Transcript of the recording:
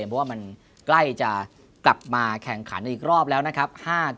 เพราะว่ามันใกล้จะกลับมาแข่งขันอีกรอบแล้วนะครับ